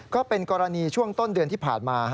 ก็เป็นกรณีช่วงต้นเดือนที่ผ่านมา